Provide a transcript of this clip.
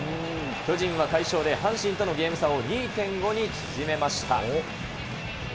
巨人は快勝で、阪神とのゲーム差を２．５に縮めました。